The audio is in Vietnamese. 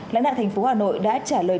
lãnh đạo thành phố hà nội đã trả lời